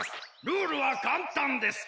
ルールはかんたんです。